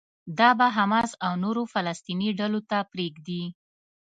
دا به حماس او نورو فلسطيني ډلو ته پرېږدي.